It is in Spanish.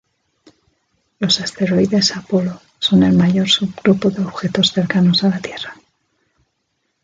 Los asteroides Apolo son el mayor subgrupo de objetos cercanos a la Tierra.